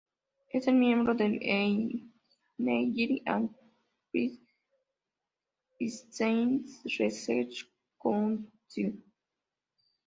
Es miembro del Engineering and physical Sciences Research Council.